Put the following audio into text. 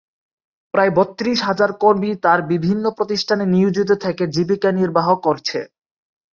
প্রায় বত্রিশ হাজার কর্মী তার বিভিন্ন প্রতিষ্ঠানে নিয়োজিত থেকে জীবিকা নির্বাহ করছে।